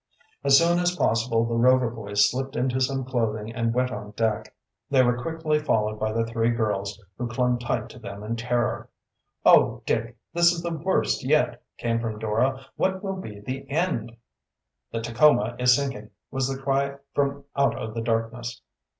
As soon as possible the Rover boys slipped into some clothing and went on deck. They were quickly followed by the three girls, who clung tight to them in terror. "Oh, Dick, this is the worst yet!" came from Dora. "What will be the end?" "The Tacoma is sinking!" was the cry from out of the darkness.